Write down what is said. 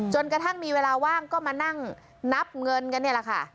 กระทั่งมีเวลาว่างก็มานั่งนับเงินกันนี่แหละค่ะ